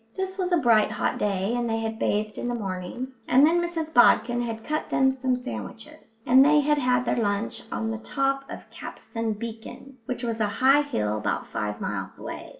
This was a bright hot day, and they had bathed in the morning, and then Mrs Bodkin had cut them some sandwiches, and they had had their lunch on the top of Capstan Beacon, which was a high hill about five miles away.